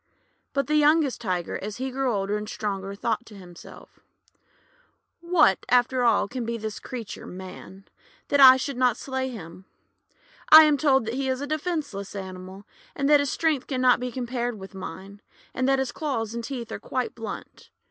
But the youngest Tiger, as he grew older and stronger, thought to himself: — 'What, after all, can be this creature Man, that I should not slay him? I am told that he is a defenceless animal, and that his strength can not be compared with mine, and that his claws and teeth are quite blunt.